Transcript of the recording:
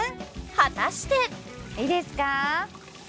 果たしていいですか？